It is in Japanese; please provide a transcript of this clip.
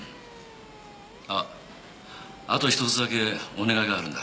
あっあと１つだけお願いがあるんだ。